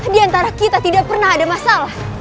diantara kita tidak pernah ada masalah